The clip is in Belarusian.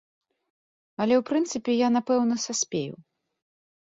Але ў прынцыпе, я, напэўна, саспею.